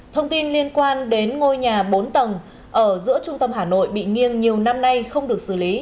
thông tin liên quan đến ngôi nhà bốn tầng ở giữa trung tâm hà nội bị nghiêng nhiều năm nay không được xử lý